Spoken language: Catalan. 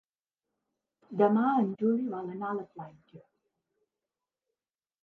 Demà en Juli vol anar a la platja.